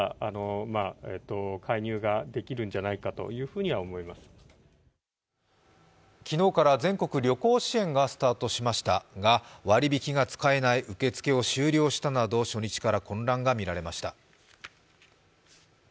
更に昨日から全国旅行支援がスタートしましたが割り引きが使えない、受付が終了したなど初日から混乱が見られました。